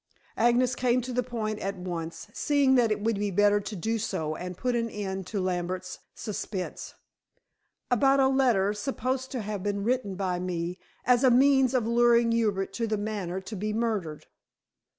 Agnes came to the point at once, seeing that it would be better to do so, and put an end to Lambert's suspense. "About a letter supposed to have been written by me, as a means of luring Hubert to The Manor to be murdered."